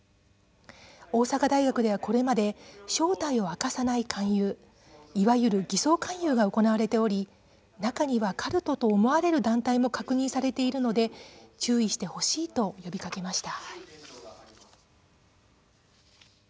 大阪大学では、これまで正体を明かさない勧誘いわゆる偽装勧誘が行われており中にはカルトと思われる団体も確認されているので注意してほしいと呼びかけました。